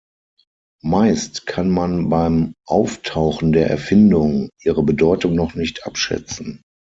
Meist kann man beim Auftauchen der Erfindung ihre Bedeutung noch nicht abschätzen.